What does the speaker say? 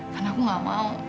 karena aku gak mau